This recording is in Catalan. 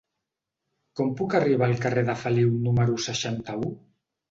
Com puc arribar al carrer de Feliu número seixanta-u?